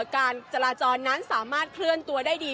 การจราจรนั้นสามารถเคลื่อนตัวได้ดี